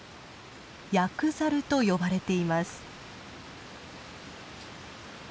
ヤクザルと呼ばれています。